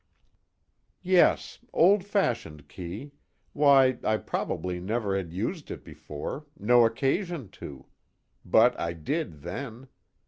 "Yes. Old fashioned key why, I probably never had used it before, no occasion to. But I did then.